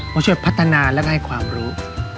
มาช่วยพัฒนาแล้วก็ให้ความรู้